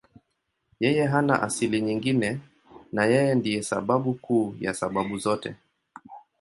Yeye hana asili nyingine na Yeye ndiye sababu kuu ya sababu zote.